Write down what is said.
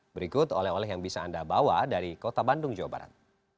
berikut oleh oleh yang bisa anda bawa dari kota bandung jawa barat